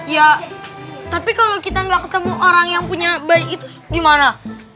ya tapi kalau kita nggak ketemu orang yang punya bayi itu gimana